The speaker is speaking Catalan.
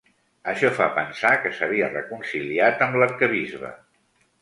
Això fa pensar que s'havia reconciliat amb l'arquebisbe.